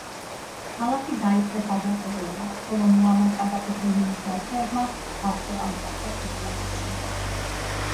ქალაქი დაიპყრეს აჯანყებულებმა, ხოლო მუამარ კადაფის რეჟიმის მომხრეებმა გაქცევა მოახერხეს ტუნისში.